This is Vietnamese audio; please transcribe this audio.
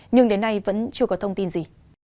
nhưng đến nay vẫn chưa có thông tin gì